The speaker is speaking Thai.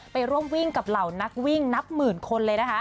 ไปร่วมวิ่งกับเหล่านักวิ่งนับหมื่นคนเลยนะคะ